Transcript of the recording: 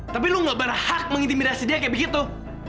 tapi lo nggak berhak mengintimidasi dia kayak begitu